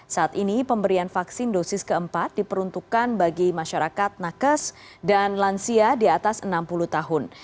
saat ini pemberian vaksin dosis keempat diperuntukkan bagi masyarakat nakes dan lansia di atas enam puluh tahun